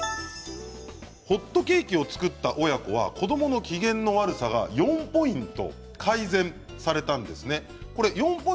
ホットケーキを作った親子は子どもの機嫌の悪さが４ポイント改善されました。